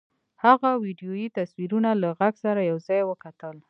هغه ويډيويي تصويرونه له غږ سره يو ځای وکتل.